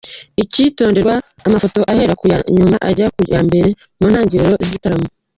Icyitonderwa : Amafoto ahera kuya nyuma ujya ku ya mbere mu ntangiriro z’igitaramo.